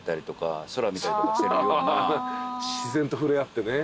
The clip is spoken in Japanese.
自然と触れ合ってね。